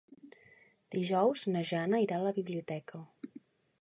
Dijous na Jana irà a la biblioteca.